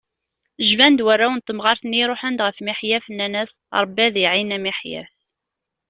Jban-d warraw n temɣart-nni, ruḥen-d ɣer Miḥyaf, nnan-as: Rebbi ad iɛin a Miḥyaf.